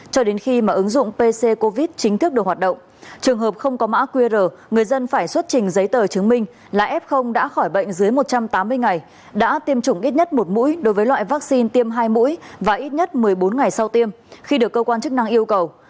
trường hợp không có mã qr người dân phải xuất trình giấy tờ chứng minh là f đã khỏi bệnh dưới một trăm tám mươi ngày đã tiêm chủng ít nhất một mũi đối với loại vắc xin tiêm hai mũi và ít nhất một mươi bốn ngày sau tiêm khi được cơ quan chức năng yêu cầu